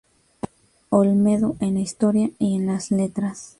Olmedo en la historia y en las letras.